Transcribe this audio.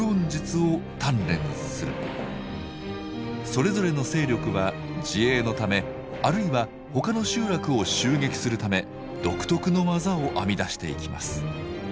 それぞれの勢力は自衛のためあるいは他の集落を襲撃するため独特の技を編み出していきます。